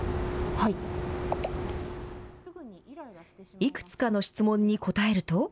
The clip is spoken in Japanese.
いくつかの質問に答えると。